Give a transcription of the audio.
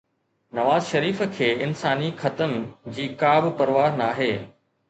نواز شريف کي انساني خطن جي ڪا به پرواهه ناهي.